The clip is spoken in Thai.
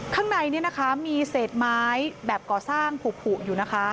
ข้างในมีเศษไม้แบบก่อสร้างผูกอยู่นะคะ